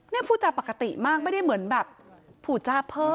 เนี่ยผู้จาปกติมากไม่ได้เหมือนแบบผู้จาเพ้อ